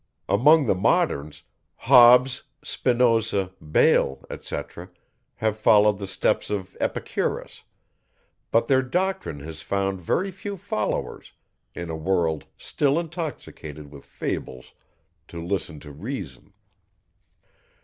Among the moderns, Hobbes, Spinosa, Bayle, etc., have followed the steps of Epicurus; but their doctrine has found very few followers, in a world, still intoxicated with fables, to listen to reason.